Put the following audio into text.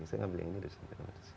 saya ambil yang ini dari sini